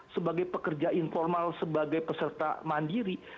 sebagai pekerja informal sebagai peserta mandiri